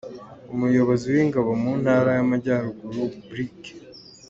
Umuyobozi w’Ingabo mu Ntara y’Amajyaruguru, Brig.